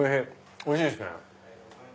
おいしいですね。